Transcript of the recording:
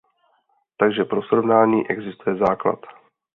Takže pro srovnání existuje základ.